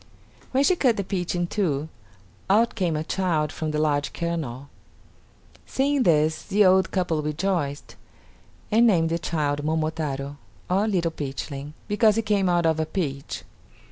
When she cut the peach in two, out came a child from the large kernel. Seeing this the old couple rejoiced, and named the child Momotaro, or Little Peachling, because he came out of a peach.